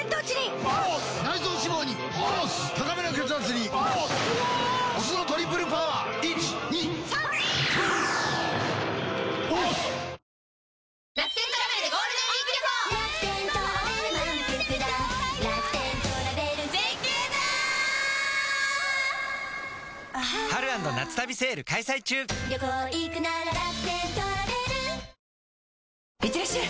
ニトリいってらっしゃい！